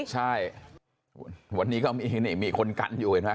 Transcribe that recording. ใช่วันนี้ก็มีคนกันอยู่นะ